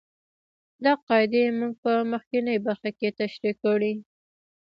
دا قاعدې موږ په مخکینۍ برخه کې تشرېح کړې.